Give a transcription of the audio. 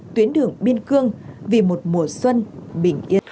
tuyến đường biên cương vì một mùa xuân bình yên